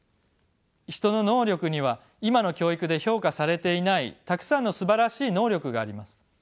人の能力には今の教育で評価されていないたくさんのすばらしい能力があります。